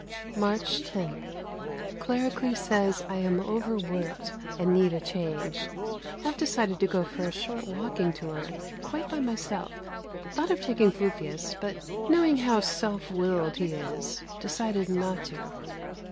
March 10. Claricles says I am overworked and need a change. Have decided to go for a short walking tour, quite by myself. Thought of taking Fufius, but knowing how self willed he is, decided not to.